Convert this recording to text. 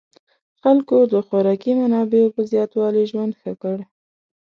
خلکو د خوراکي منابعو په زیاتوالي ژوند ښه کړ.